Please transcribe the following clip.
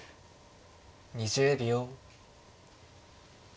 ２０秒。